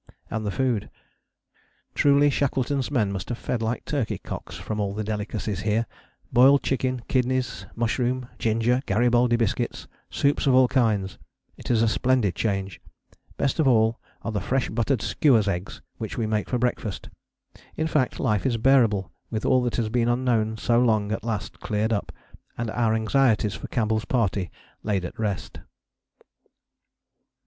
And the food: "Truly Shackleton's men must have fed like turkey cocks from all the delicacies here: boiled chicken, kidneys, mushrooms, ginger, Garibaldi biscuits, soups of all kinds: it is a splendid change. Best of all are the fresh buttered skua's eggs which we make for breakfast. In fact, life is bearable with all that has been unknown so long at last cleared up, and our anxieties for Campbell's party laid at rest."